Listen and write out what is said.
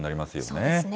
そうですね。